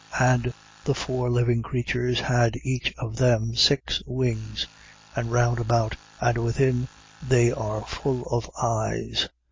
4:8. And the four living creatures had each of them six wings: and round about and within they are full of eyes.